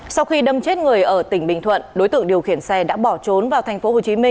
sau khi đâm chết người ở tỉnh bình thuận đối tượng điều khiển xe đã bỏ trốn vào tp hcm